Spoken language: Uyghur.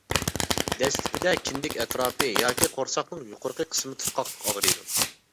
دەسلىپىدە كىندىك ئەتراپى ياكى قورساقنىڭ يۇقىرىقى قىسمى تۇتقاقلىق ئاغرىيدۇ.